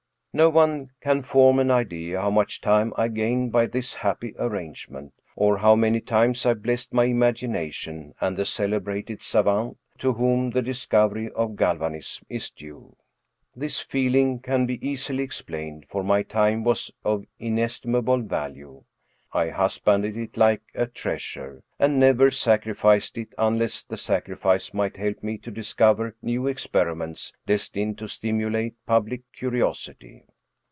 No one can form an idea how much time I gained by this happy arrangement, or how many times I blessed my imagination and the cele brated savant to whom the discovery of galvanism is due ! This feeling can be easily explained, for my time was of inestimable value. I husbanded it like a treasure, and never sacrificed it, unless the sacrifice might help me to discover new experiments destined to stimulate public curi osity.